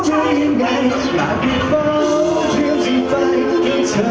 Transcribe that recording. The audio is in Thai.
คล้ายคล้ายคล้ายทำให้ฉันหวั่นไหวที่ที่กระทั่ง